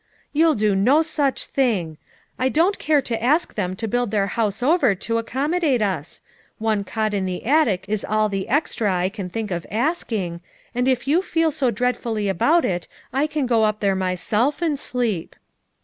You'll do no such thin I don't care to ask them to build their house over to accommodate us; one cot in the attic is all the extra I can think of asking, and if you feel so dreadfully about it I can go up there myself and sleep."